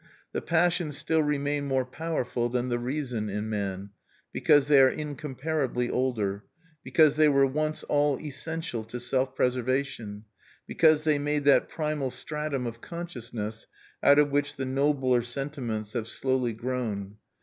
The passions still remain more powerful than the reason in man, because they are incomparably older, because they were once all essential to self preservation, because they made that primal stratum of consciousness, out of which the nobler sentiments have slowly grown.